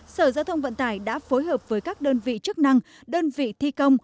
sở giao thông vận tải đã phối hợp với các đơn vị chức năng đơn vị thi công